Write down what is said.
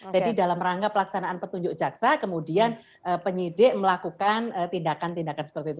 jadi dalam rangka pelaksanaan petunjuk jaksa kemudian penyidik melakukan tindakan tindakan seperti itu